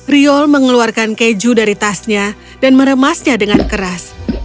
riol mengeluarkan keju dari tasnya dan meremasnya dengan keras